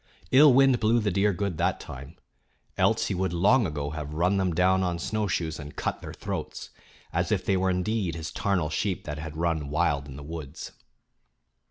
Ill wind blew the deer good that time; else he would long ago have run them down on snowshoes and cut their throats, as if they were indeed his "tarnal sheep" that had run wild in the woods.